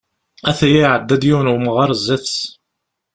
Ata ya iɛedda-d, yiwen n umɣar sdat-s.